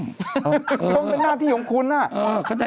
ก็เป็นหน้าที่ของคุณอะคุณก็ต้องก้านไปสิ